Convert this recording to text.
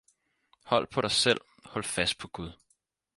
Hold på dig selv, hold fast på Gud